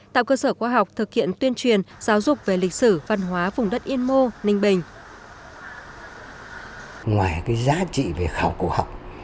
tạo cơ sở khoa học thực hiện tuyên truyền giáo dục về lịch sử văn hóa vùng đất yên mô ninh bình